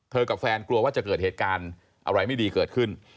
กับแฟนกลัวว่าจะเกิดเหตุการณ์อะไรไม่ดีเกิดขึ้น